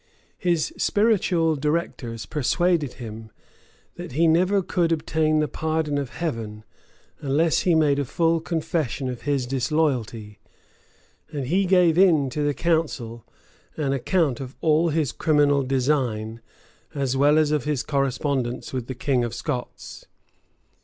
His spiritual directors persuaded him, that he never could obtain the pardon of Heaven, unless he made a full confession of his disloyalty; and he gave in to the council an account of all his criminal design, as well as of his correspondence with the king of Scots.